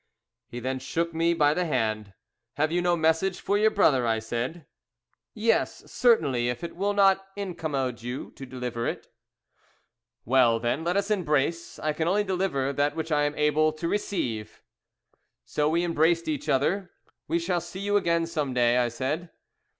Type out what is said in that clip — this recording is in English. He then shook me by the hand. "Have you no message for your brother?" I said. "Yes, certainly, if it will not incommode you to deliver it." "Well, then, let us embrace. I can only deliver that which I am able to receive." [See "Transcriber's Note."] So we embraced each other. "We shall see you again some day?" I said.